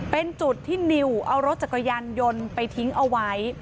เป็นจุดที่นิวเอารถจักรยานยนต์ไปทิ้งเอาไว้